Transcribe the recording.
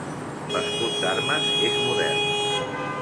L'escut d'armes és modern.